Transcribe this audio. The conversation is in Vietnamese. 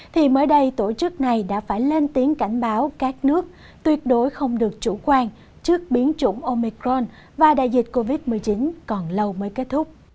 thì mới đây tổ chức này đã phải lên tiếng cảnh báo các nước tuyệt đối không được chủ quan trước biến chủng omicron và đại dịch covid một mươi chín còn lâu mới kết thúc